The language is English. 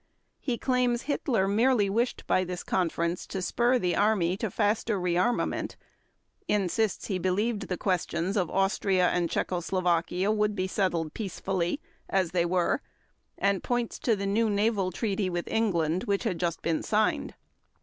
He claims Hitler merely wished by this conference to spur the Army to faster rearmament, insists he believed the questions of Austria and Czechoslovakia would be settled peacefully, as they were, and points to the new naval treaty with England which had just been signed.